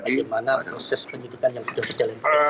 bagaimana proses penyidikan yang sudah berjalan